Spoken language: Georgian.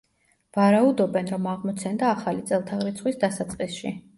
ვარაუდობენ, რომ აღმოცენდა ახალი წელთაღრიცხვის დასაწყისში.